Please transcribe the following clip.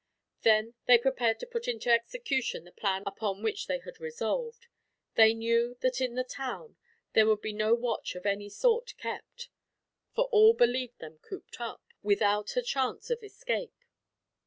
Then they prepared to put into execution the plan upon which they had resolved. They knew that in the town, there would be no watch of any sort kept; for all believed them cooped up, without a chance of escape.